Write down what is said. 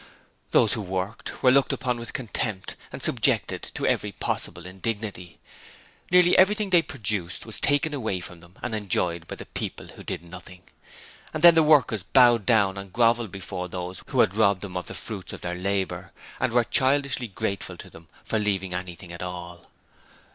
Those who worked were looked upon with contempt, and subjected to every possible indignity. Nearly everything they produced was taken away from them and enjoyed by the people who did nothing. And then the workers bowed down and grovelled before those who had robbed them of the fruits of their labour and were childishly grateful to them for leaving anything at all.